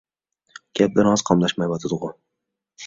گەپلىرىڭىز قاملاشمايۋاتىدىغۇ!